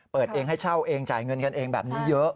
เปิดเองให้เช่าเองจ่ายเงินกันเองแบบนี้เยอะ